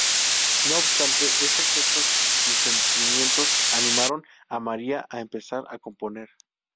No obstante estos hechos y sentimientos animaron a María a empezar a componer.